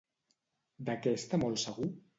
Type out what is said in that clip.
De què està molt segur?